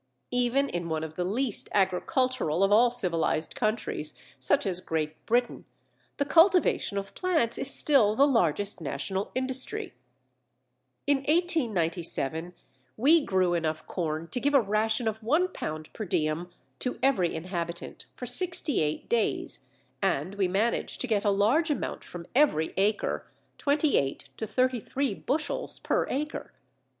Even in one of the least agricultural of all civilized countries, such as Great Britain, the cultivation of plants is still the largest national industry. In 1897 we grew enough corn to give a ration of 1lb. per diem to every inhabitant for 68 days, and we manage to get a large amount from every acre (28 to 33 bushels per acre).